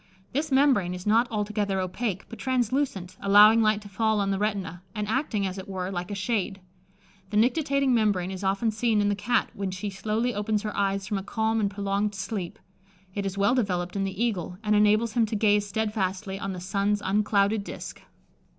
This membrane is not altogether opaque, but translucent, allowing light to fall on the retina, and acting, as it were, like a shade. The nictitating membrane is often seen in the Cat when she slowly opens her eyes from a calm and prolonged sleep: it is well developed in the eagle, and enables him to gaze steadfastly on the sun's unclouded disk.